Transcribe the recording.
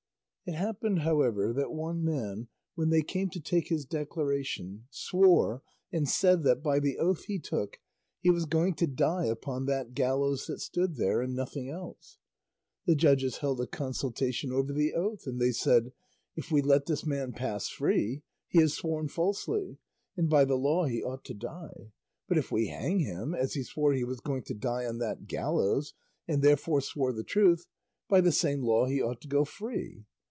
It happened, however, that one man, when they came to take his declaration, swore and said that by the oath he took he was going to die upon that gallows that stood there, and nothing else. The judges held a consultation over the oath, and they said, 'If we let this man pass free he has sworn falsely, and by the law he ought to die; but if we hang him, as he swore he was going to die on that gallows, and therefore swore the truth, by the same law he ought to go free.